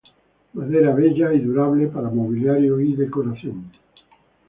Madera bella y durable para mobiliario y decoración.